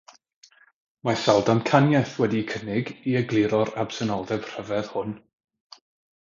Mae sawl damcaniaeth wedi'u cynnig i egluro'r absenoldeb rhyfedd hwn.